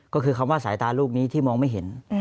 ก็คือคำว่าสายตาลูกนี้ที่มองไม่เห็น